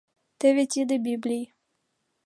— Теве тиде Библий!